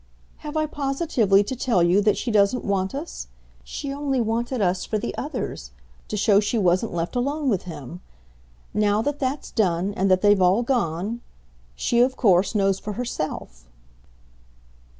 "Have I positively to tell you that she doesn't want us? She only wanted us for the others to show she wasn't left alone with him. Now that that's done, and that they've all gone, she of course knows for herself